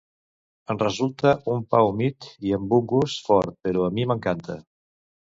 En resulta un pa humit i amb un gust fort, però a mi m'encanta.